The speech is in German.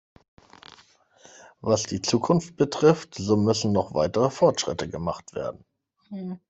Was die Zukunft betrifft, so müssen noch weitere Fortschritte gemacht werden.